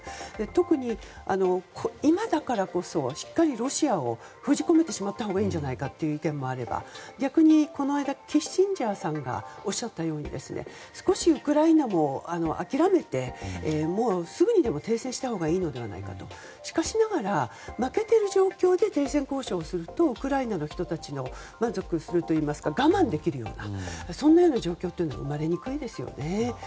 特に今だからこそしっかりロシアを封じ込めてしまったほうがいいんじゃないかという意見もあれば逆にこの間キッシンジャーさんがおっしゃったように少しウクライナも諦めてもうすぐにでも停戦したほうがいいのではないかとしかしながら負けている状況で停戦交渉をするとウクライナの人たちが満足するというか我慢できるような状況というのは生まれにくいですよね。